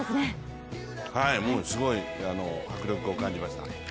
すごい迫力を感じました。